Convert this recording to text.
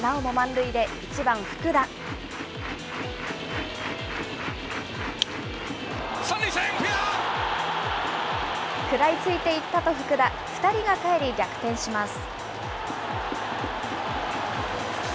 ３塁線、食らいついていったと福田、２人がかえり逆転します。